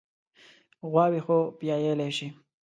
غواوې خو پيايلی شي.